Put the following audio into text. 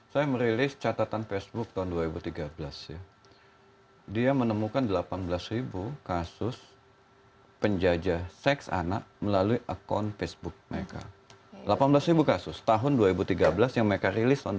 saya merilis catatan facebook tahun dua ribu tiga belas ya dia menemukan delapan belas kasus penjajah seks anak melalui akun facebook mereka delapan belas kasus tahun dua ribu tiga belas yang mereka rilis tahun dua ribu